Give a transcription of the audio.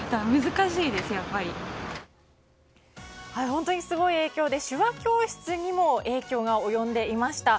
本当にすごい影響で手話教室にも影響が及んでいました。